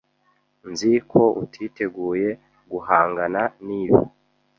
Nzi ko utiteguye guhangana nibi.